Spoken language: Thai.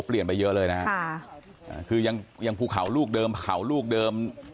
เปลี่ยนไปเยอะเลยนะฮะคือยังยังภูเขาลูกเดิมเขาลูกเดิม